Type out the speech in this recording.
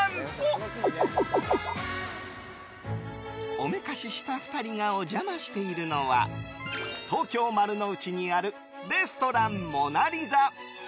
おめかしした２人がお邪魔しているのは東京・丸の内にあるレストランモナリザ。